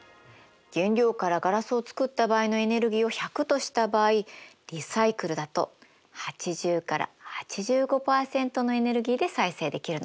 原料からガラスを作った場合のエネルギーを１００とした場合リサイクルだと８０から８５％のエネルギーで再生できるの。